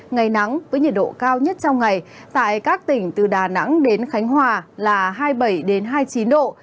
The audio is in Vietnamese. ngày nắng với nhiệt độ cao nhất trong ngày tại các tỉnh từ đà nẵng đến khánh hòa là hai mươi bảy hai mươi chín độ